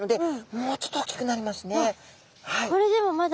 これでもまだ。